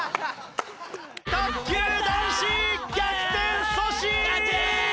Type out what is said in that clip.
卓球男子逆転阻止！